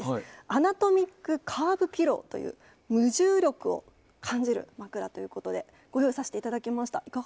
アナトミックカーブピローという無重力を感じる枕でご用意させていただきました。